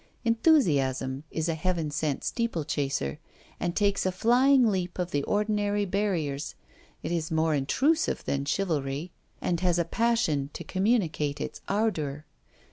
Enthusiasm is a heaven sent steeplechaser, and takes a flying leap of the ordinary barriers; it is more intrusive than chivalry, and has a passion to communicate its ardour.